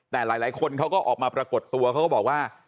แต่หลายคนเขาก็ออกมาปรากฏตัวเขาก็บอกว่า